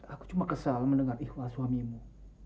aku cuma kesal mendengar ikhlas suamimu